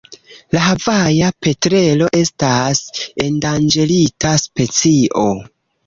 La Havaja petrelo estas endanĝerita specio.